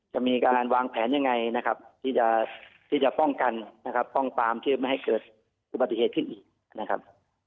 จะมีการวางแผนยังไงนะครับที่จะป้องกันนะครับป้องปามที่ไม่ให้เกิดอุบัติเหตุขึ้นอีกนะครับ